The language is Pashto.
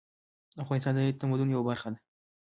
افغانستان د نړۍ د تمدن یوه برخه وه